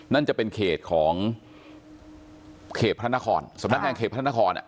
นั่นจะเป็นเขตของเขตพระนครสำนักงานเขตพระนคร